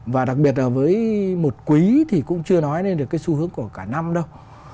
và đặc biệt là với một quý thì cũng chưa nói lên được cái xu hướng của cả năm đâu